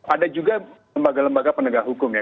ada juga lembaga lembaga penegak hukum ya